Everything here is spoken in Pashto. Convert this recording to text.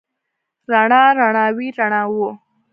رڼا، رڼاوې، رڼاوو